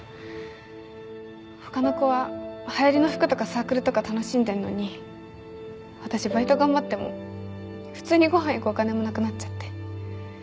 他の子は流行りの服とかサークルとか楽しんでんのに私バイト頑張っても普通にご飯行くお金もなくなっちゃって。